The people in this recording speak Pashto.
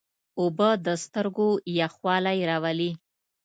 اوبه د سترګو یخوالی راولي.